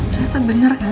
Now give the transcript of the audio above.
ternyata benar kan